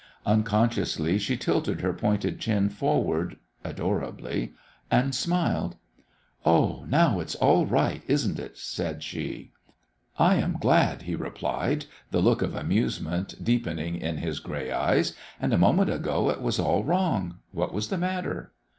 Unconsciously she tilted her pointed chin forward adorably, and smiled. "Oh, now it's all right, isn't it?" said she. "I am glad," he replied, the look of amusement deepening in his gray eyes. "And a moment ago it was all wrong. What was the matter?"